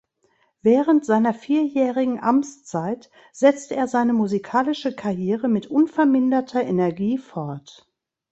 Während seiner vierjährigen Amtszeit setzte er seine musikalische Karriere mit unverminderter Energie fort.